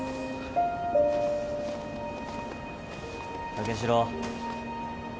武四郎。